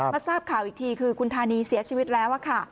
ทราบข่าวอีกทีคือคุณธานีเสียชีวิตแล้วค่ะ